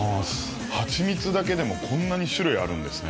蜂蜜だけでもこんなに種類あるんですね。